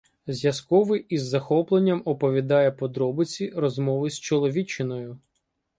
Зв'язковий із захопленням оповідає подробиці розмови з "чоловічиною".